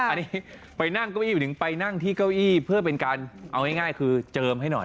อันนี้ไปนั่งเก้าอี้อยู่หนึ่งไปนั่งที่เก้าอี้เพื่อเป็นการเอาง่ายคือเจิมให้หน่อย